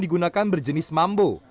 digunakan berjenis mambo